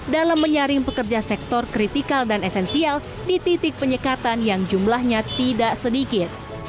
dalam menyaring pekerja sektor kritikal dan esensial di titik penyekatan yang jumlahnya tidak sedikit